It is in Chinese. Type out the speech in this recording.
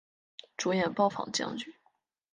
主演暴坊将军。